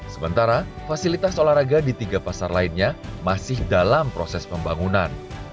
sementara fasilitas olahraga di tiga pasar lainnya masih dalam proses pembangunan